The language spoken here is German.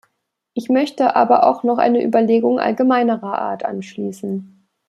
Ich möchte aber auch noch eine Überlegung allgemeinerer Art anschließen.